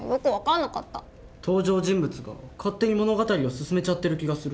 登場人物が勝手に物語を進めちゃってる気がする。